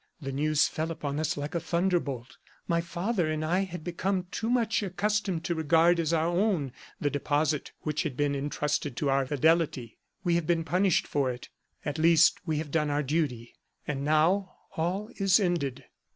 The news fell upon us like a thunder bolt. My father and I had become too much accustomed to regard as our own the deposit which had been intrusted to our fidelity; we have been punished for it. At least, we have done our duty, and now all is ended.